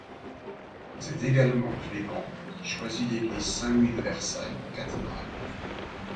C'est également Clément qui choisit l'église Saint-Louis de Versailles pour cathédrale.